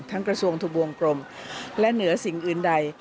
กระทรวงทะบวงกรมและเหนือสิ่งอื่นใด